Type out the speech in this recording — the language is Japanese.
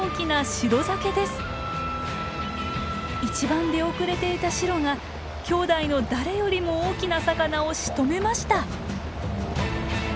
一番出遅れていたシロがきょうだいの誰よりも大きな魚をしとめました！